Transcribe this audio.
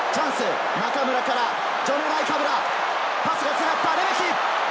中村からジョネ・ナイカブラ、パスが繋がったレメキ。